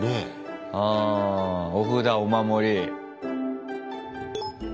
あお札お守り。